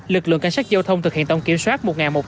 lực lượng cảnh sát giao thông thực hiện tàu kiểm soát